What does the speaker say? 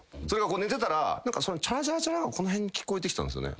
寝てたらそのチャラチャラチャラがこの辺に聞こえてきたんすよね。